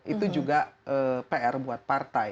itu juga pr buat partai